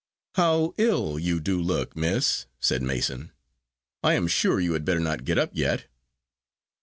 "How ill you do look, miss!" said Mason. "I am sure you had better not get up yet."